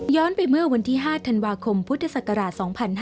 ไปเมื่อวันที่๕ธันวาคมพุทธศักราช๒๕๕๙